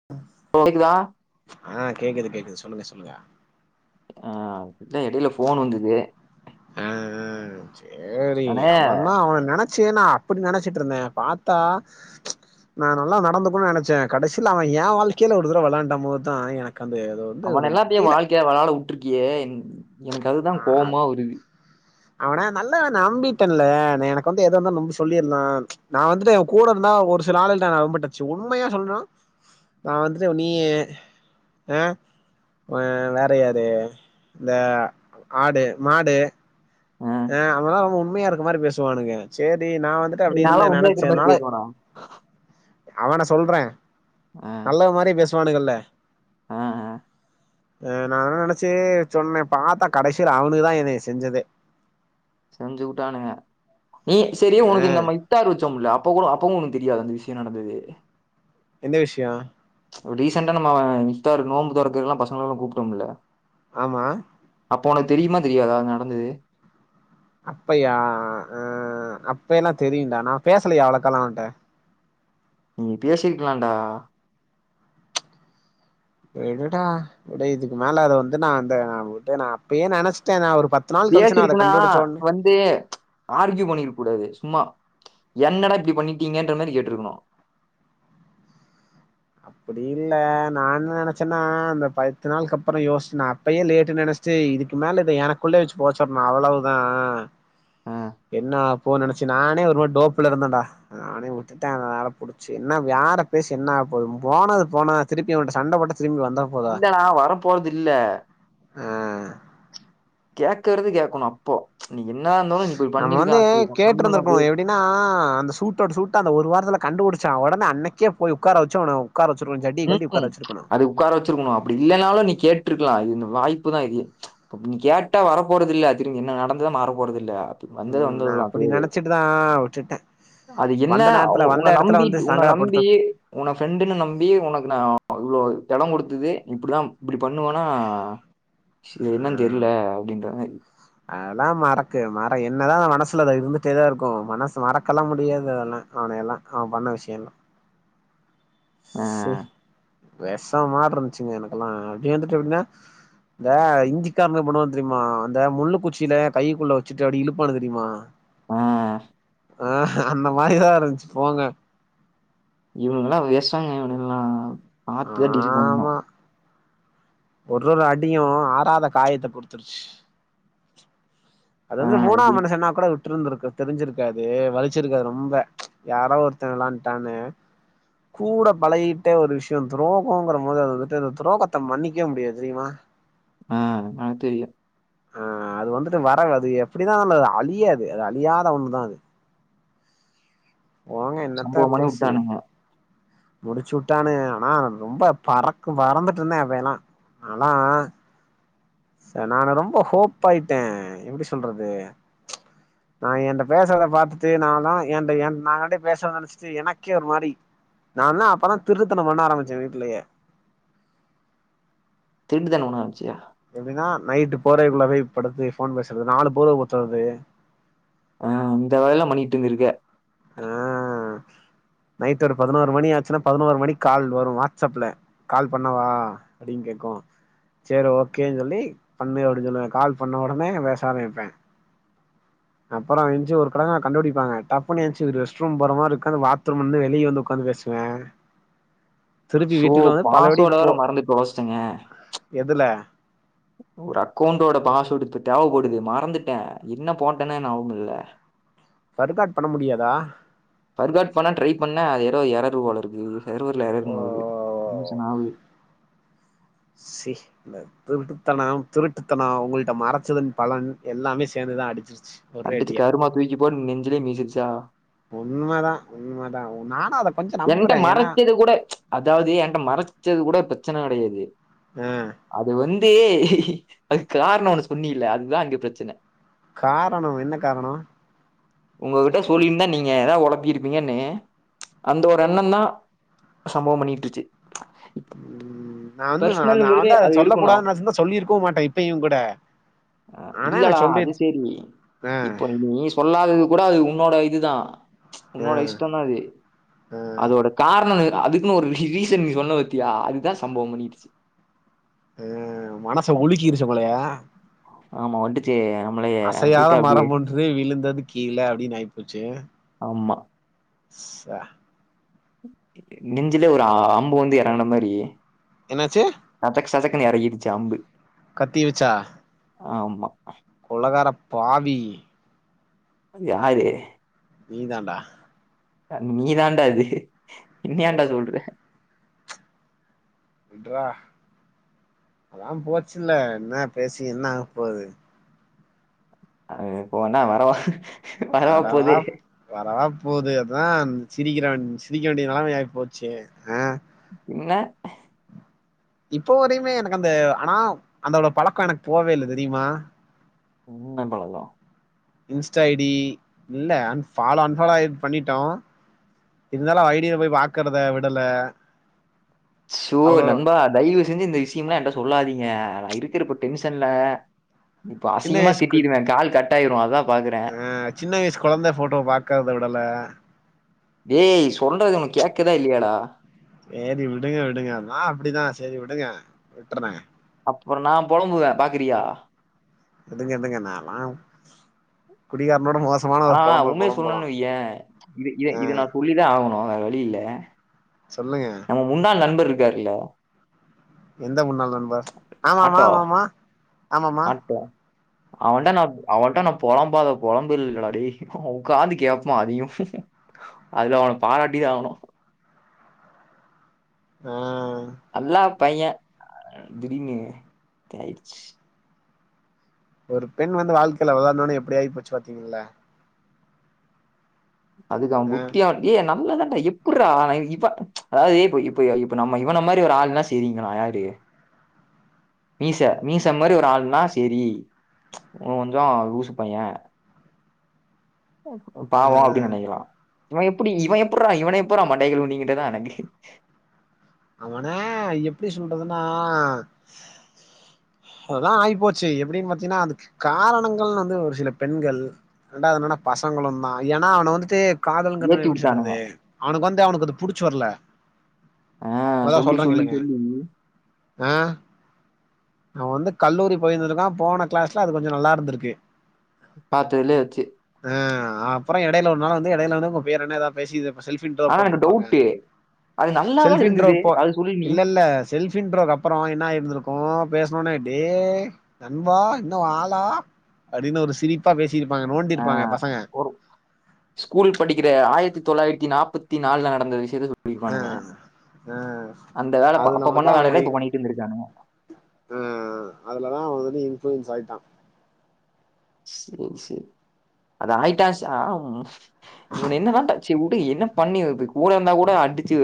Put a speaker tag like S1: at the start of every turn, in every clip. S1: [inaudible]
S2: Bro கேக்குதா
S1: ஆ கேக்குது கேக்குது சொல்லுங்க சொல்லுங்க
S2: ஆ அதுதா எடைல ஃபோன் வந்தது
S1: அ அ சேரி
S2: அண்ணே
S1: அவந்தா அவ நெனச் சேனா அப்டி நெனச்சிட்ருந்தே பாத்தா
S2: [inaudible]
S1: நா நல்லா நடந்துகுன் நெனைச்சே கடைசில அவ ஏ வாழ்க்கைல ஒரு தடவ வெளாண்டம் போதுதா எனக்கு அந்த எதோ
S2: அவன எல்லாத்தியு வாழ்க்கைய வெளாட உட்ருக்கியே என்
S1: ஆ அதுகுத் அவன நல்லா நம்பிட்டன்ல்ல நெனக்கு வந்து எது வந்தாலு நம்பி சொல்லிர்லா நா வந்துட்டு இவ கூட இருந்தா ஒரு சில ஆளுல்ட்டா நா ரொம்ப டச்சு உண்மையா சொல்னா நா வந்துட்டு உ நீயே ஆ வே வேற யாரு இந்த ஆடு மாடு ஆ அவலா‌ ரொம்ப உண்மையா இருக்க மாரி பேசுவானுங்க சேரி நா வந்துட் ட்டு
S2: நாலா
S1: அப்டின்னு
S2: உண்மையா இருக்கிற
S1: நெனச்சே
S2: மாரி
S1: நால
S2: பேசுவனா
S1: அவன சொல்ற
S2: ஆ
S1: நல்லவ மாரி பேசுவானுங்கல்ல
S2: ஆ ஆ
S1: அ நானு நெனச்சி சொன்னே பாத்தா கடைசில அவனுங்கதா எனைய செஞ்சதே
S2: செஞ்சுவுட்டானுங்க‌ நீ செரி
S1: ஆ
S2: உனக்கு இந்தம இட்டாரு வச்சோம்ல அப் ப்ப கூட அப்பவு உனுக் தெரியாத அந்த விஷ்யோ நடந்தது
S1: எந்த விஷ்ய
S2: டீசண்டா நம்ம அவ மித்தாருகு நோம்பு தொறக்கறலா பசங்களலா கூப்டமில்ல
S1: ஆமா
S2: அப்ப ஒனக்கு தெரியுமா தெரியாதா நடந்தது
S1: அப்பயா ஆ அ அப்பையெல்லா தெரியுன்டா நா பேசலயே அவளக்காலா அவன்ட்ட
S2: நீ பேசிர்க்லான்டா
S1: விடுடா விடு இதுக்கு மேல அத‌ வந்து நா அந்த நா விட்டு நா அப்பியே நெனச்ட்ட நா‌ ஒரு பத்
S2: நீ பேசிருக்கினா வந் து ஆர்கியூ பண்ணிருக் கூடாது சும்மா என்னடா இப்டி பண்ணிட்டீங்கன்ற மாரி கேட்ருக்குனு
S1: அப்பிடி இல்ல நா என்ன நெனச்சன்னா அந்தப் பத்து நாள்க்கப்பற யோஸ்ச் நா அப்பையே லேட்டுன் நெனச் சே இதுக்கு மேல இத எனக்குள்ளே வச்சு போச்சுர்னு அவ்ளவுதா
S2: [inaudible]
S1: என்ன போ நெனச்சி நானே ஒரு மாரி டோப்புலருந்தன்டா நானே உட்டுட்ட அத வேறப் புடிச்சி என்னா வேறப் பேசி என்னாப் போதும் போனது போனா திருப்பி அவன்ட்ட சண்டப் போட்ட திரும்பி வந்தாப்
S2: இல்லடா வரப்போறதில்ல
S1: அ
S2: கேக்கறது கேக்கணு அப்போ நீ என்னா இந்தாலு நீ இப்படி பண்ணிருக்கான் நீ நம்மளது
S1: டினா அந்த சூட்டோட சூட்டா அந்த ஒரு வாரத்துல கண்டுபிடிச்சா ஒடனே அன்னைக்கே போய் உக்கார வச்சு அவன உட்கார வச்சிருக்கணு ஜட்டிய கழட்டி
S2: ம்க்கு
S1: உட்கார வச்சிருக்கணு
S2: அது உக்கார வச்சிருக்குணு அப்டி இல்லனாலு நீ கேட்ருக்லா இது இந்த வாய்ப்புதா இது எ இப்ப நீ கேட்டா வரப்போறதில்ல திரும்பி என்ன நடந்தத மாறப்போறதில்ல அது வந்தது
S1: ம் நா
S2: வந்ததுதான். அது
S1: அப்பிடி நெனச்சுட்டுதா விட்டுட்டே
S2: அது என்ன
S1: வந்த நேரத்துல
S2: அவுங்
S1: வந்த
S2: உன
S1: எடத்துல வந்து
S2: நம்பிட் உன
S1: சங்கடப்படுத்த
S2: நம்பி உன ஃப்ரெண்டுனு நம்பி உனக்கு நா இவ்ளோ எடங் குடுத்தது இப்புடிதாம் இப்டி பண்ணுவேனா என்னன் தெரில அப்டின்ற மேரி
S1: அதலா மறக்கு மற என்னதா அவ மனசுல அத இருந்துட்டேதா இருக்கு மனசு மறக்கலாம் முடியாது அதெல்லா அவனயெல்லா அவ பண்ண விஷ்யலா
S2: அ
S1: சே வெஷமார்ருஞ்சுங்க எனக்கெலா அப்டி இந்துட்டு எப்டினா இந்த இந்திக்காரனுங்க பண்ணுவான் தெரிமா அந்த முள்ளுக்குச்சில கைகுள்ள வச்சுட்டு அப்டி இழுப்பானு தெரியுமா
S2: அ
S1: ஆ அந்த மாரிதா இருஞ்சு போங்க
S2: இவனுகல்லா வேஸ்ட் [unintelligible] இவனுகல்லா பாத்துதா டீல் பண்ணு
S1: ஆமா ஒரு ஒரு அடியு ஆராத காயத்த குடுத்துருச்சு
S2: ஆ
S1: அதாது
S2: எப்படி?
S1: மூணாம் மனுஷன்னா கூட ட்ருந்துருக்கு தெரிஞ்சிருக்காது வலிச்சிருக்காது ரொம்ப யாரா ஒருத்தன் விளான்ட்டான்னு கூட பழகிட்டே ஒரு விஷயம் துரோகம்ங்ற போது அது வந்துட்டு அத துரோகத்த மன்னிக்கவே முடியாது தெரிமா
S2: ஆ அ தெரியு
S1: ஆ அது வந்துட்டு வர அது எப்டிதா அந்த அழியாது அது அழியாத ஒண்ணுதா அது போங்க என்னத்த
S2: சம்பவம் பண்ணி
S1: பேசி
S2: விட்டானுங்க
S1: முடிச்சு உட்டான்னுக ஆனா ரொம்ப பறக்கு பறந்துட்டு இருந்தேன் அப்ப எல்லாம் நாலா ச நானு ரொம்ப ஹோப் ஆயிட்டேன் எப்டி சொல்றது நா என்ட பேசறத பாத்துட்டு நா தா என்ட என் நாகான்டி பேசறனு நெனச்சு சி எனக்கே ஒரு மாறி நா லா அப்பதா திருட்டுத்தணம் பண்ண ஆரம்பிச்சே வீட்லயே
S2: திருட்டுதனம் பண்ண ஆரம்பிச்சியா
S1: எப்டின்னா நைட்டு போர்வைக்குள்ள போய் படுத்து ஃபோன் பேசுறது நாலு போர்வ போத்தறது
S2: ஆஹ அந்த வேலல்லாம் பண்ணிட்டுருந்திருக்க
S1: ஆ நைட் ஒரு பதினோரு மணி ஆச்சுன்னா பதினோரு மணிக்கு கால் வரும் வாட்ஸ்அப்ல கால் பண்ணவா அப்டின்னு கேக்கும் சரி ஓகேன்னு சொல்லி பண்ணு அப்டினு சொல்லுவ கால் பண்ண ஒடனே பேச ஆரம்பிப்பே அப்பறம் ஏந்ச்சு ஒரு [unintelligible] கண்டுபுடிப்பாங்க டப்புன்னு ஏந்ச்ச ஒரு ரெஸ்ட்ரூம் போற மாறி இருக்கு பாத்ரூம்ல இருந்து வெளிய வந்து ஒக்காந்து பேசு
S2: சோ
S1: வீட்டுக்குள்ள வந்து
S2: பாஸ்
S1: பலபடி
S2: வார்ட் வேற
S1: போ
S2: மறந்து தொலச்சுட்டேங்க
S1: எதுல
S2: ஒரு அக்கௌன்ட்டோட பாஸ்வேர்டு இப்ப தேவப்படுது மறந்துட்டேன் இன்ன போட்டேன்ன ஞாபம் இல்ல
S1: ஃபார்காட் பண்ண முடியாதா
S2: ஃபார்காட் பண்ணா ட்ரை பண்ணே அது ஏதோ எர்றரு போல இருக்குது சர்வர்ல
S1: ஓ
S2: எர்றன்னு வருது டென்ஷன் ஆகுது
S1: சே இந்த திருட்டுத்தனம் திருட்டுத்தனம் உங்கள்ட்ட மறைச்சதன் பலன் எல்லாமே சேந்துதா அடிச்சிருச்சு
S2: அடிச்சு
S1: ஒரேடியா
S2: கருமா தூக்கி போட்டு நெஞ்சுலயே மீச்சிருச்சா
S1: உண்மதா உண்மதா நானு அத கொஞ்சோ
S2: என்ட்ட
S1: நம்புறே ஏன்னா
S2: மறச்சது கூட அதாவது என்ட்ட மறச்சது கூட பிரச்சன கடயாது
S1: ஆ
S2: அது வந்து அதுக்கு காரணம் ஒன்னு சொன்னில அதுதா அங்க பிரச்சன
S1: காரணம் என்ன காரணம்
S2: உங்ககிட்ட சொல்லிந்தா நீங்க ஏதாவ ஒளப்பிருப்பீங்கன்னு அந்த ஒரு எண்ணந்தா சம்பவம் பண்ணி விட்டுருச்சு
S1: உம் நா வந்து நா வந்து அத
S2: அது
S1: சொல்ல கூடாது
S2: இருக்கணும்
S1: நனச்சிந்தா சொல்லிருக்கவு மாட்டே இப்பயும் கூட
S2: ஆ
S1: ஆனா
S2: இல்லடா
S1: எனக்கு சொல்லி
S2: அது சரி
S1: ஆ
S2: இப்போ நீ சொல்லாதது கூட அது உன்னோட இதுதா
S1: ஆ
S2: உன்னோட இஷ்டம் தா அது
S1: ஆ
S2: அதோட காரணம்னு அதுக்குன்னு ஒரு ரீசன் நீ சொன்ன பாத்தியா அதுதா சம்பவம் பண்ணிருச்சு
S1: ஆ மனச உலுக்கிருச்சு போலயா
S2: ஆமா அடிச்சு நம்மளயே
S1: அசையாத
S2: லைட்டா அப்டியே
S1: [unintelligible] விழுந்தது கீழ அப்டின்னு ஆயிப்போச்சு
S2: ஆமா
S1: ச
S2: நெஞ்சுலயே ஒரு அம்பு வந்து எறங்கன மாரி
S1: என்னாச்சு
S2: சதக் சதக்குன்னு எறக்கிடுச்சு அம்பு
S1: கத்திய வச்சா
S2: ஆமா
S1: கொலக்கார பாவி
S2: அது யாரு
S1: நீ தாண்டா
S2: நீ தான்டா அது என்ன
S1: யோ
S2: ஏன்டா சொல்ற
S1: விட்ற அதா போச்சுல்ல என்ன பேசி என்ன ஆக போது
S2: ஆ போனா வரவா
S1: வரவா வரவா போகுது அதுதா சிரிக்கிறாண் சிரிக்க வேண்டியது நல்லம ஆயி போச்சு ஆ
S2: பின்ன
S1: இப்போ வரையுமே எனக்கு அந்த ஆனா அந்தோட பழக்கோ எனக்கு போவே இல்ல தெரியுமா
S2: உம்னம்பலோ
S1: இன்ஸ்டா ஐ டி இல்ல அன்பாலோ அன்பாலோ பண்ணிட்டோ இருந்தாலு அவ ஐ டி ய போய் பாக்குறத விடல
S2: ஷ்சோ
S1: அவ்ளோ
S2: நண்பா தயவு செஞ்சு இந்த விஷயமெல்லா என்ட்டா சொல்லாதீங்க நா இருக்கிற இப்ப டென்ஷன்ல இப்ப
S1: சின்ன
S2: அசிங்கமா
S1: வயசுக்கு
S2: திட்டிடுவே கால் கட்டாயிரு அதா பாக்குறே
S1: சின்ன வயசு கொழந்தை போட்டோவ பாக்குறத விடல
S2: டேய் சொல்றது உனக்கு கேக்குதா இல்லையாடா
S1: சரி விடுங்க விடுங்க நா அப்படிதா சரி விடுங்க விட்டுறே
S2: அப்பற நா பொலம்புவே பாக்குறியா
S1: விடுங்க விடுங்க நாலாம் குடிகாரனோட மோச
S2: ஆ ஆ உண்மே சொல்லுனு வய்யே இது இத
S1: ஆ
S2: இத நா சொல்லிதா ஆகணு வேற வழியில்ல
S1: சொல்லுங்க
S2: நம்ம முன்னாள் நண்பர் இருக்காருல்ல
S1: எந்த முன்னாள் நண்பர் ஆமாமா
S2: ஆட்டோ
S1: ஆமாமா ஆமாமா
S2: அவன்ட நா அவன்ட நா பொழம்பாத பொழம்பு இல்லடா டேய் உக்காந்து கேப்பா அதயு அதுல அவன பாராட்டிதா ஆகணு
S1: ஆ
S2: அல்லா பைய திடிர்னு இப்டி ஆயிடுச்சு
S1: ஒரு பெண் வந்து வாழ்க்கையில வெளையான்நொன்னே எப்டி ஆயி போச்சு பாத்தீங்கள
S2: அதுக்கு அவ
S1: ஆ
S2: புத்தியான் ஏய் நம்மல்லண்டா எப்பிர்றா இவ அதாவது இப்ப இப்ப இப்ப நமம இவன மாரி ஒரு ஆள்னா செரியீங்களா யாரு மீச மீச மாரி ஒரு ஆள்னா சேரி அவ கொஞ்ஜோ லுசு பைய
S1: ஆ
S2: பாவோ அப்டின் நெனைக்கலா இவ எப்டி இவ எப்படுறா இவன எப்பிர்றா மண்டைய கழுவுனிங்கன்றதுதா எனக்கு
S1: அவன எப்டி சொல்றதுன்னா அதுதா ஆயிப்போச்சு எப்டின்னு பாத்தீங்கன்னா அதுக்கு காரணங்கள்னு வந்து ஒரு சில பெண்கள் ரண்டாது என்னனா பசங்களுந்தா ஏன்னா அவன வந்துட்டு காதலங்க
S2: ஏத்தி
S1: எப்படி
S2: விட்டானுங்க
S1: சொல்றது அவனுக்கு வந்து அவனுக்கு அது புடிச்சு வரல
S2: ஆஹ்
S1: மொத
S2: சொல்லி
S1: சொல்றே
S2: சொல்லி
S1: கேளுங்க
S2: சொல்லி
S1: ஆ அவ வந்து கல்லூரி போயிருந்திருக்கா போன கிளாஸ்ல அது கொஞ்ச நல்லா இருந்திருக்கு
S2: பாத்ததுலேயே வச்சு
S1: அ அப்பற எடையில ஒரு நாள் வந்து எடையில வந்து இப்ப உங்க பேர் என்ன ஏதாவ பேசி செல்ப் இன்ட்ரோ
S2: ஆனா எனக்கு
S1: போட்ருப்பாங்க
S2: டவுட்டு அது நல்லாதான்
S1: செல்ப் இன்ட்ரோ
S2: இருந்தது
S1: போ
S2: அது சொல்லி நீ
S1: இல்ல இல்ல செல்ஃப் இன்ட்றோகப்பரோ என்னா ஆயிருந்திருக்கு பேசணும்னே டே நண்பா இன்னு ஓ ஆளா அப்டின்னு ஒரு சிரி ப்பா பேசிருப்பாங்க நோண்டிருப்பாங்க
S2: ஆஹ்
S1: பசங்க
S2: ஒரு ஸ்கூல் படிக்கிற ஆயிரத்தி தொள்ளாயிரத்தி நாற்பத்தி நாலு நடந்தது விஷயத்த சொ
S1: ஆ
S2: சொல்லிருப்பானுங்க
S1: ஆ
S2: அந்த வேல அப்ப பண்ண வேல. இப்ப பண்ணிட்ருந்திருக்கானு
S1: ம் அதுலதா அவ வந்து இன்ஃபளுூயன்ஸ் ஆயிட்டான்
S2: சரி சரி அது ஆயிட்டா சாம் இவன [unintelligible] என்ன பண்ணி கூட வந்தா கூட அடிச்சு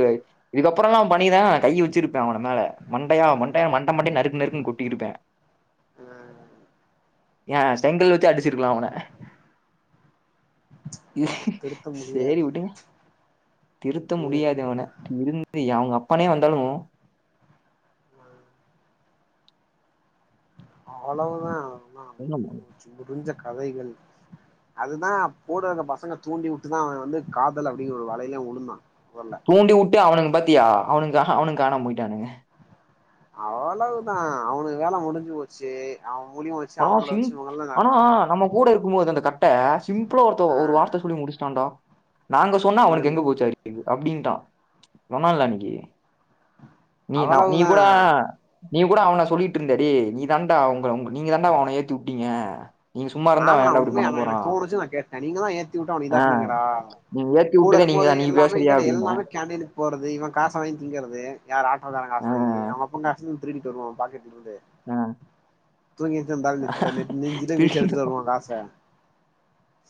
S2: இதுக்கப்பறல்லா அவ பண்ணிதா கை வச்சிருப்ப அவ மேல மண்டையா மண்டையா மண்ட மண்டையா நறுக்கு நறுக்குன்னு கொட்டிருப்ப பிளாக்
S1: அ
S2: எய செங்கல் வச்சி அடிச்சிருக்கலா அவன
S1: திருத்த
S2: சேரி
S1: முடியாதுங்க
S2: விட்டுங்க திருத்த
S1: இல்ல
S2: முடியாது இவன
S1: இல்ல
S2: இருந்து அவங்க அப்பனே வந்தாலு
S1: அவ்வளவுதா அதா
S2: என்னமா
S1: முடுஞ்ச கதைகள் அதுதா கூட இருந்த பசங்க தூண்டி விட்டுதா அவ வந்து காதல் அப்படிங்கிற ஒரு வலையல்ல வுழுந்தா [unintelligible]
S2: தூண்டி வுட்டு அவனுங்க பத்தியா அவனுங்க அவனுங்க காணாம போயிட்டானுங்க
S1: அவ்வளவுதா அவனுங்க வேல முடிஞ்சு போச்சு அவ மூலியமா வச்சு
S2: ஆனா
S1: அவங்கள
S2: சிங்
S1: வச்சு இவங்கல்லா
S2: ஆனா நம்ம கூட இருக்கும் போது அந்த க சிம்பிளா ஒருத்த
S1: ஆ
S2: ஒரு வார்த்தை சொல்லி முடிச்சான்டா நாங்க சொன்னா அவனுக்கு
S1: என்னன்னு
S2: எங்க போச்சு அறிவு அப்டின்ட்டா சொன்னல அன்னிக்கு நீ ந நீ
S1: அவ்வளவுதா
S2: கூட நீ கூட அவன சொல்லிட்டு இருந்த டே நீ தாண்டா அவங்க உங்க நீங்க தாண்டா அவன ஏத்தி விட்டீங்க
S1: ஆமா அண்ண உண்மையா அவ எனக்கு தோணுச்சு நா கேட்ட நீங்க தா ஏத்தி வுட்டு அவன
S2: ஆ
S1: இதாக்கனீங்கடா
S2: நீங்க ஏத்தி
S1: கூட
S2: வுட்டதே
S1: இருக்கும்போது
S2: நீங்கதான் நீ
S1: எல்லாமே
S2: பேசுறியா
S1: இங்கிட்ட
S2: அப்படின்னு
S1: எல்லாமே கேண்டீன் போறது இவ காச வாங்கி திங்கறது யார் ஆட்டோ கார காச
S2: ஆ
S1: வாங்கி அவ அப்ப காசுயு திருடிட்டு வருவா பாக்கெட்ல இருந்து
S2: ஆ
S1: தூங்கி எஞ்சி அந்த ஆளு நெ சாரி நெஞ்சிலே மிதி
S2: திருடிட்டோம்
S1: ஒரு ஆச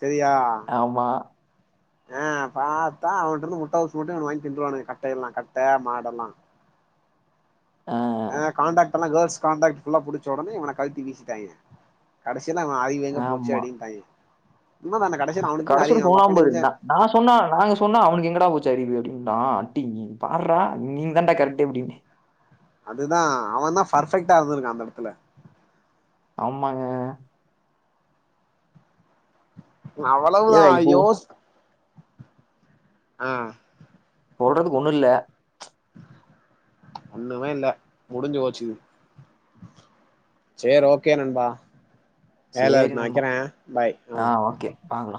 S1: சரியா
S2: ஆமா
S1: ஆ பாத்தா அவன்ட்ட இருந்து முட்ட பப்ஸ் மட்டு இவனுங்க வாங்கி தின்டுவானுக கட்ட எல்லா கட்ட மாடெல்லா ஆ கான்டாக்டல்லா கேர்ள்ஸ் கண்டக்ட் ஃபுல்லா புடிச்ச உடனே இவன கழுட்டி விசிடாங்க கடசில அவ எங்க போச்சு
S2: ஆமா
S1: அப்டின்டாங்க சும்மா அந்த கடைசில அவனுக்கு அறிவு
S2: போலாம்
S1: அப்ப
S2: பாரு
S1: நெஞ்ச
S2: நா சொன்னா நாங்க சொன்னா அவனுக்கு எங்கடா போச்சு அறிவு அப்படின்னு தா அட்டிங்க பாரா நீ தண்டா கரெக்ட் அப்டின்னு
S1: அதுதா அவ தா பர்ஃபெக்ட்டா இருந்து இருக்குறா அந்த இடத்துல
S2: ஆமாங்க ஏ
S1: அவ்வளவுதா
S2: இப்போ
S1: யோச ஆ
S2: சொல்றதுக்கு ஒண்ணு இல்ல
S1: ஒண்ணுமே இல்ல முடிஞ்சு போச்சு சரி ஓகே நண்பா வேல
S2: சரி
S1: இருக்கு நா வைக்கிற பாய் ஆ
S2: பாக்கலா